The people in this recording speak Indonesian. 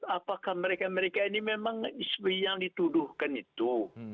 apakah mereka mereka ini memang yang dituduhkan itu